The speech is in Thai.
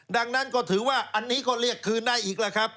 ดังนั้นก็ถือว่าอันนี้ก็เรียกคืนได้อีกแล้วครับ